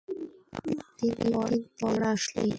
অনেক দিন পড় আসলি।